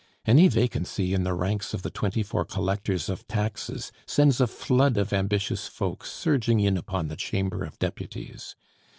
Any vacancy in the ranks of the twenty four collectors of taxes sends a flood of ambitious folk surging in upon the Chamber of Deputies.